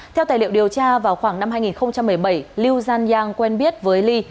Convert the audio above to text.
theo tài liệu điều tra vào khoảng năm hai nghìn một mươi bảy liu yanyang quen biết với li